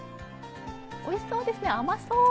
おいしそうですね、甘そう！